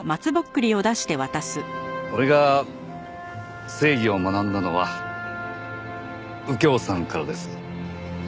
俺が正義を学んだのは右京さんからです。